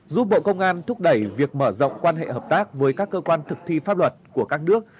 giúp bộ công an thúc đẩy việc mở rộng quan hệ hợp tác với các cơ quan thực thi pháp luật của các nước